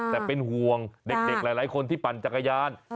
แต่เป็นห่วงเด็กหลายคนที่ปั่นจักรยาน